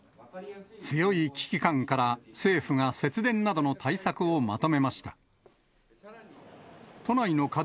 強い危機感から、政府が節電などの対策をまとめました。